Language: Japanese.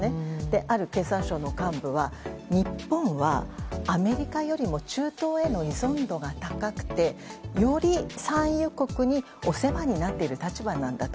ある経産省の幹部は日本は、アメリカよりも中東への依存度が高くて、より産油国にお世話になっている立場なんだと。